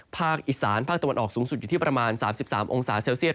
ภาคอีสานภาคตะวันออกสูงสุดอยู่ที่ประมาณ๓๓องศาเซลเซียต